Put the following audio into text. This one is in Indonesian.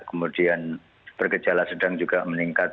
kemudian bergejala sedang juga meningkat